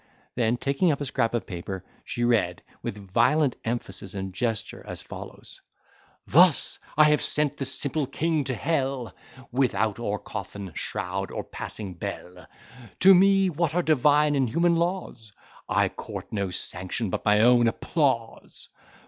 Then, taking up a scrap of paper, she read, with violent emphasis and gesture, as follows:— "Thus have I sent the simple King to hell, Without or coffin, shroud, or passing bell: To me what are divine and human laws? I court no sanction but my own applause!